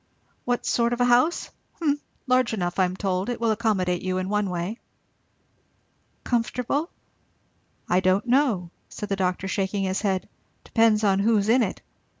"What sort of a house? Humph Large enough, I am told. It will accommodate you, in one way." "Comfortable?" "I don't know," said the doctor shaking his head; "depends on who's in it.